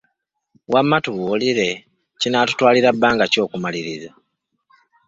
Wamma tubuulire, kinaakutwalira bbanga ki okumaliriza?